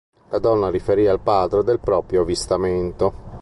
La donna riferì al padre del proprio avvistamento.